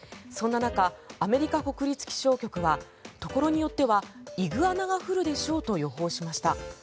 そんな中、アメリカ国立気象局はところによってはイグアナが降るでしょうと予報しました。